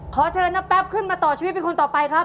ขอเชิญน้าแป๊บขึ้นมาต่อชีวิตเป็นคนต่อไปครับ